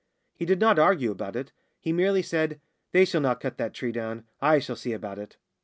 He did not argue about it. He merely said, "They shall not cut that tree down. I shall see about it."